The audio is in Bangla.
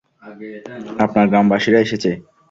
আপনার গ্রামবাসীরা এসেছে।